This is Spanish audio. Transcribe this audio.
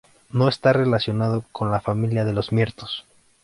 No está relacionado con la familia de los mirtos.